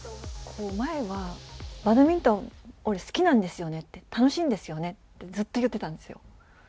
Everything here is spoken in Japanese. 前はバドミントン、俺、好きなんですよねって、楽しいんですよねって、ずっと言ってたんですよ。